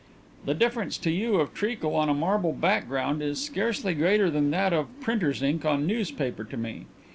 "The difference to you of treacle on a marble background is scarcely greater than that of printers' ink on newspaper to me.